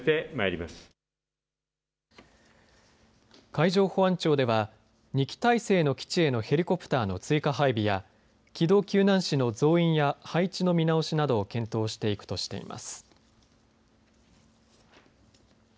海上保安庁では２機体制の基地へのヘリコプターの追加配備や機動救難士の増員や配置の見直しなどを検討していくとしています。